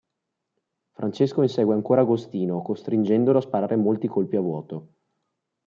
Francesco insegue ancora Agostino, costringendolo a sparare molti colpi a vuoto.